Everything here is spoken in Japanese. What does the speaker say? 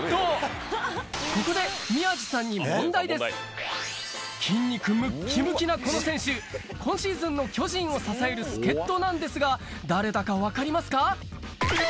ここで宮治さんに筋肉ムッキムキなこの選手今シーズンの巨人を支える助っ人なんですが誰だか分かりますか？